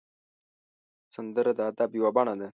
سندره د ادب یو بڼه ده